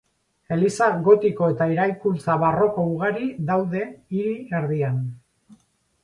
Eliza gotiko eta eraikuntza barroko ugari daude hiri erdian.